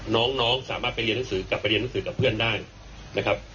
น้องสามารถไปเรียนหนังสือกลับไปเรียนหนังสือกับเพื่อนได้นะครับ